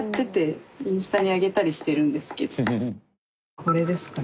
これですかね